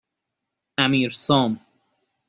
امیرسام